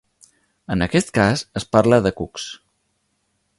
En aquest cas es parla de cucs.